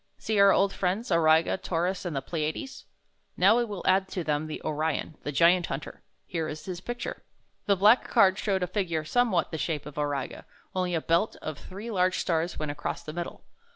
See our old friends, Auriga, Taurus, and the Pleiades ? Now we will add to them O rf on, the Giant Hunter. Here is his picture." The black card showed a figure somewhat the shape of Auriga, only a belt of three large stars went across the middle.